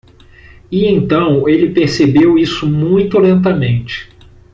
E então ele percebeu isso muito lentamente.